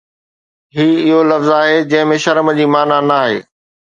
هي اهو لفظ آهي جنهن ۾ شرم جي معنيٰ ناهي